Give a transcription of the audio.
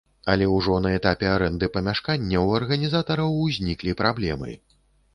Але ўжо на этапе арэнды памяшкання ў арганізатараў узніклі праблемы.